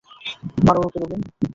মারো ওকে, রবিন!